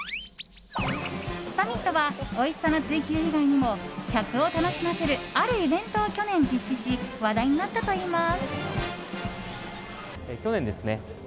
サミットはおいしさの追及以外にも客を楽しませるあるイベントを去年実施し話題になったといいます。